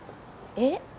えっ？